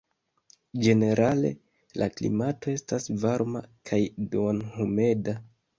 Ĝenerale la klimato estas varma kaj duonhumeda.